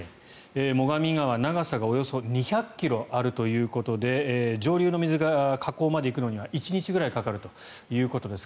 最上川、長さがおよそ２００ｋｍあるということで上流の水が河口まで行くには１日くらいかかるということです。